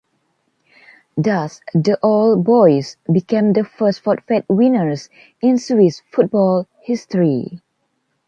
Thus the Old Boys became the first forfait winners in Swiss football history.